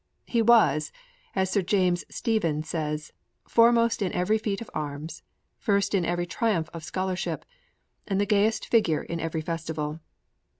He was, as Sir James Stephen says, foremost in every feat of arms, first in every triumph of scholarship, and the gayest figure in every festival.